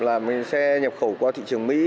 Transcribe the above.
là mình sẽ nhập khẩu qua thị trường mỹ